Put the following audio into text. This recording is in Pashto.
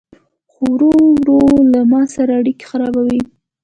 خو ورو ورو له ما سره اړيکي خرابوي